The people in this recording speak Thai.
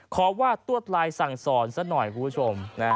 ขอว่าตรวจไลน์สั่งสอนสักหน่อยคุณผู้ชม